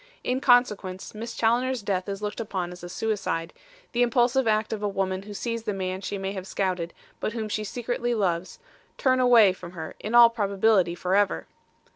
In consequence, Miss Challoner's death is looked upon as a suicide the impulsive act of a woman who sees the man she may have scouted but whom she secretly loves, turn away from her in all probability forever.